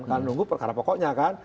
karena menunggu perkara pokoknya kan